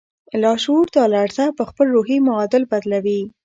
لاشعور دا لړزه پهخپل روحي معادل بدلوي